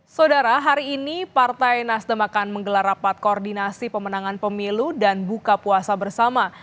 saudara hari ini partai nasdem akan menggelar rapat koordinasi pemenangan pemilu dan buka puasa bersama